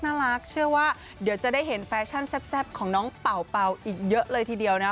น่ารักเชื่อว่าเดี๋ยวจะได้เห็นแฟชั่นแซ่บของน้องเป่าเป่าอีกเยอะเลยทีเดียวนะ